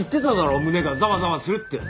胸がざわざわするって。